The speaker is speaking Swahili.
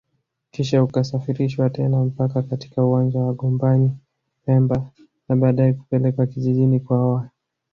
kisha ukasafirishwa tena mpaka katika uwanja wa Gombani pemba na baadae kupelekwa kijijini kwaoa